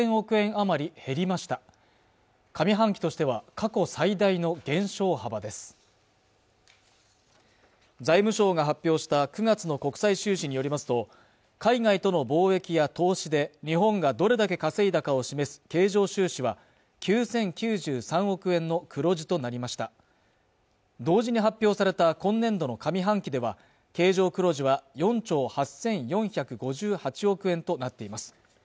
余り減りました上半期としては過去最大の減少幅です財務省が発表した９月の国際収支によりますと海外との貿易や投資で日本がどれだけ稼いだかを示す経常収支は９０９３億円の黒字となりました同時に発表された今年度の上半期では経常黒字は４兆８４５８億円となっています